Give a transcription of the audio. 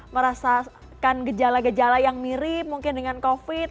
merasakan gejala gejala yang mirip mungkin dengan covid